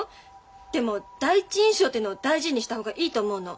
でも第一印象っていうの大事にした方がいいと思うの。